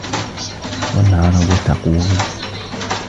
وَالْعَرَبُ تَقُولُ